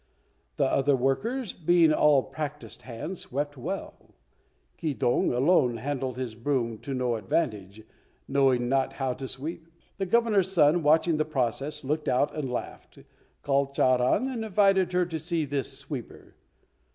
The other workers, being all practised hands, swept well; Keydong alone handled his broom to no advantage, knowing not how to sweep. The Governor's son, watching the process, looked out and laughed, called Charan and invited her to see this sweeper.